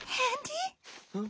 うん？